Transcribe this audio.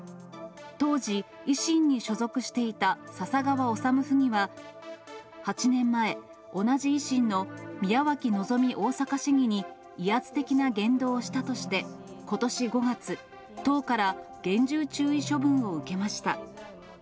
当時、維新に所属していた笹川理府議は、８年前、同じ維新の宮脇希大阪市議に威圧的な言動をしたとして、ことし５月、党から厳重注意処分を受けました。